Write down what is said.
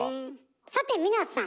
さて皆さん！